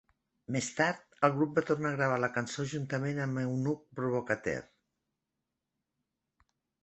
Més tard, el grup va tornar a gravar la cançó juntament amb "Eunuch Provocateur".